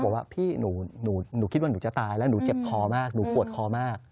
บอกว่าพี่หนูคิดว่าหนูจะตายแล้วหนูเจ็บคอมากหนูปวดคอมาก